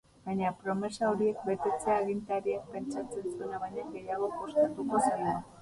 Baina promesa horiek betetzea agintariak pentsatzen zuena baino gehiago kostatuko zaio.